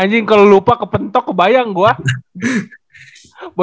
anjing kalau lupa kepentok kebayang gue